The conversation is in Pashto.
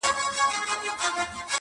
o خریدار چي سوم د اوښکو دُر دانه سوم,